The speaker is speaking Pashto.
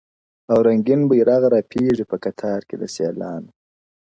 او رنګین بیرغ رپیږي په کتار کي د سیالانو-